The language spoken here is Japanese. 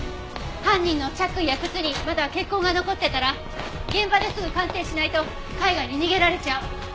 犯人の着衣や靴にまだ血痕が残ってたら現場ですぐ鑑定しないと海外に逃げられちゃう。